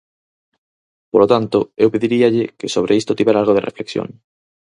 Polo tanto, eu pediríalle que sobre isto tivera algo de reflexión.